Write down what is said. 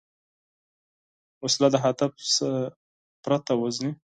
وسله د هدف نه پرته وژني